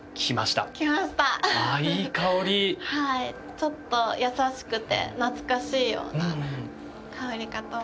ちょっと優しくて懐かしいような香りかと思います。